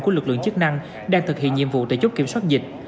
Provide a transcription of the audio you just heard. của lực lượng chức năng đang thực hiện nhiệm vụ tại chốt kiểm soát dịch